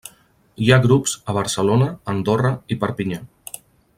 Hi ha grups a Barcelona, Andorra i Perpinyà.